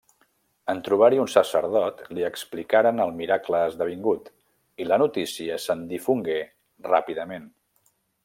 En trobar-hi un sacerdot, li explicaren el miracle esdevingut, i la notícia se'n difongué ràpidament.